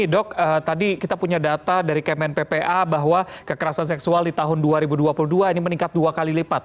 dok tadi kita punya data dari kemen ppa bahwa kekerasan seksual di tahun dua ribu dua puluh dua ini meningkat dua kali lipat